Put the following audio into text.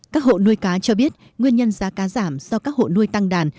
các hộ nuôi cá cho biết nguyên nhân giá cá giảm do các hộ nuôi tăng đàn